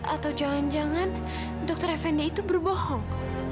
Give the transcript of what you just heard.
atau jangan jangan dokter effendi itu berbohong